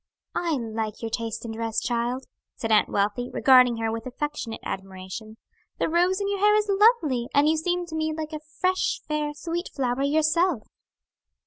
"I like your taste in dress, child," said Aunt Wealthy, regarding her with affectionate admiration. "The rose in your hair is lovely, and you seem to me like a fresh, fair, sweet flower, yourself."